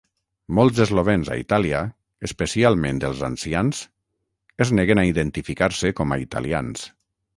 Molts eslovens a Itàlia, especialment els ancians, es neguen a identificar-se com a italians.